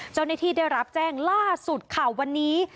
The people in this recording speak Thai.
เจ้าหน้าที่ได้รับแจ้งล่าสุดค่ะวันนี้